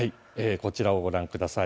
こちらをご覧ください。